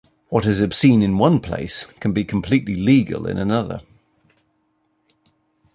What is obscene in one place can be completely legal in another.